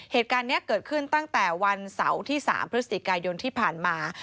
เหตุการณ์นี้เกิดขึ้นตั้งแต่วันเสาร์ที่๓พฤศจิกายนที่ผ่านมา